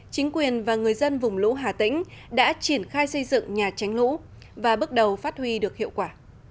chính quyền và người dân vùng lũ hà tĩnh đã triển khai xây dựng nhà tránh lũ và bước đầu phát huy được hiệu quả